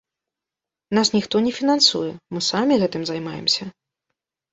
Нас ніхто не фінансуе, мы самі гэтым займаемся.